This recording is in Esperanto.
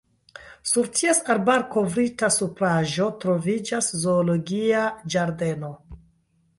Sur ties arbarkovritta supraĵo troviĝas Zoologia ĝardeno.